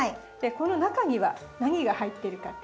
この中には何が入ってるかって。